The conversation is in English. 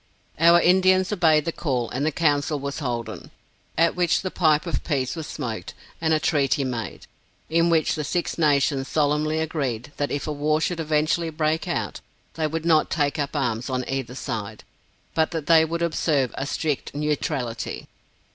Our Indians obeyed the call, and the council was holden, at which the pipe of peace was smoked, and a treaty made, in which the Six Nations solemnly agreed that if a war should eventually break out, they would not take up arms on either side; but that they would observe a strict neutrality.